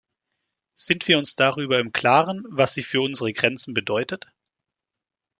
Sind wir uns darüber im klaren, was sie für unsere Grenzen bedeutet?